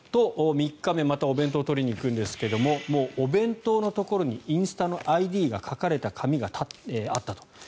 ３日目にまたお弁当を取りに行くんですがもうお弁当のところにインスタのＩＤが書かれた紙があったと。